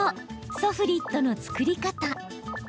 ソフリットの作り方。